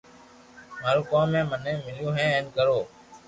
مارو ڪوم ھي مني مليو ھي ھين ڪرو